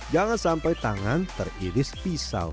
jangan sampai tangan teriris pisau